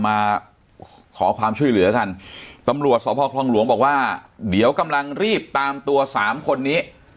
มาขอความช่วยเหลือกันตำรวจสพคลองหลวงบอกว่าเดี๋ยวกำลังรีบตามตัวสามคนนี้